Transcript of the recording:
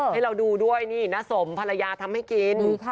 ให้เราดูด้วยนี่น้าสมภรรยาทำให้กิน